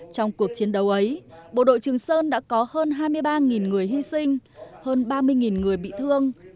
trong cuộc chiến đấu ấy bộ đội trường sơn đã có hơn hai mươi ba người hy sinh hơn ba mươi người bị thương